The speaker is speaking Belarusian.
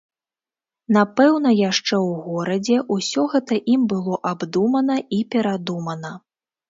Напэўна, яшчэ ў горадзе ўсё гэта ім было абдумана і перадумана.